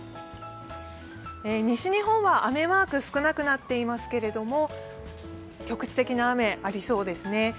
西日本は雨マーク少なくなっていますけれども、局地的な雨がありそうですね。